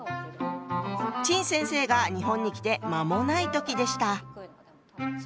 陳先生が日本に来て間もない時でした。